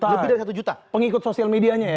lebih dari satu juta pengikut sosial medianya ya